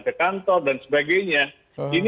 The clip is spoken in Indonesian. ke kantor dan sebagainya ini